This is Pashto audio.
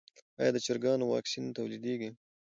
آیا د چرګانو واکسین تولیدیږي؟